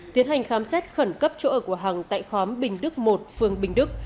tiến hành khám xét khẩn cấp chỗ của hẳng tại khóm bình đức một phường bình đức